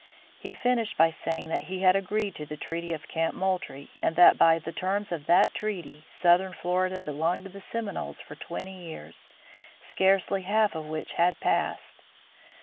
He finished by saying that he had agreed to the treaty of Camp Moultrie and that by the terms of that treaty southern Florida belonged to the Seminoles for twenty years, scarcely half of which had passed.